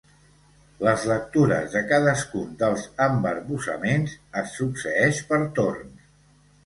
Les lectures de cadascun dels embarbussaments es succeeixen per torns.